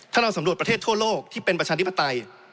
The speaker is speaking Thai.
ถ้าเราสำรวจประเทศทั่วโลกที่เป็นประชาธิปไตย